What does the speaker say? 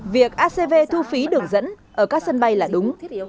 việc acv thu phí đường dẫn ở các sân bay là đúng